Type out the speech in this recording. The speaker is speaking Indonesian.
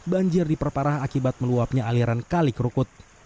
banjir diperparah akibat meluapnya aliran kali kerukut